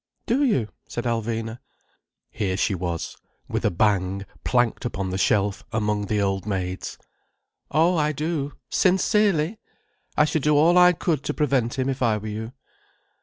"Do you?" said Alvina. Here she was, with a bang, planked upon the shelf among the old maids. "Oh, I do. Sincerely! I should do all I could to prevent him, if I were you."